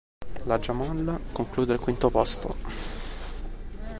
La Jamal conclude al quinto posto.